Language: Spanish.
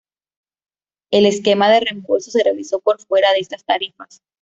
El esquema de reembolso se realizó por fuera de estas tarifas.